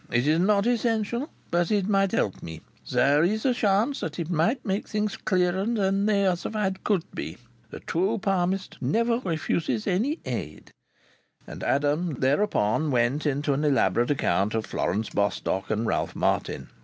It is not essential, but it might help me. There is a chance that it might make things clearer than they otherwise could be. The true palmist never refuses any aid." And Adam thereupon went into an elaborate account of Florence Bostock and Ralph Martin.